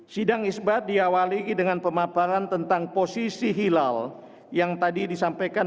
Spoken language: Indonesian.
sidang isbat diawali dengan pemaparan tentang posisi hilal yang tadi disampaikan